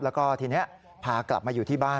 แล้วก็ทีนี้พากลับมาอยู่ที่บ้าน